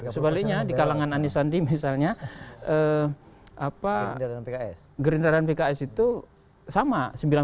sebaliknya di kalangan andi sandi misalnya gerindaran pks itu sama